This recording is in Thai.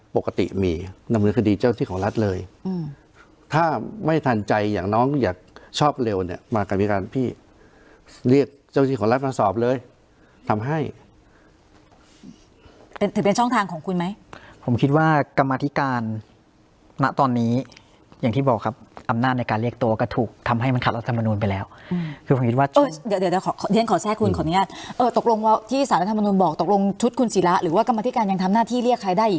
ปกติมีละเมิดคดีเจ้าพิธีของรัฐเลยอืมถ้าไม่ทันใจอย่างน้องอยากชอบเร็วเนี้ยมากรรมิการพี่เรียกเจ้าพิธีของรัฐมาสอบเลยทำให้ถือเป็นช่องทางของคุณไหมผมคิดว่ากรรมธิการณะตอนนี้อย่างที่บอกครับอำนาจในการเรียกตัวก็ถูกทำให้มันขัดละธรรมนูญไปแล้วอืมคือผมคิดว่าเดี๋ยวเดี๋